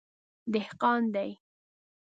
_دهقان دی.